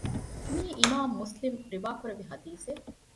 މިއީ އިމާމު މުސްލިމު ރިވާކުރެއްވި ޙަދީޘެއް